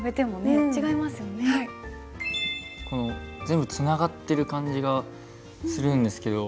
全部つながってる感じがするんですけど。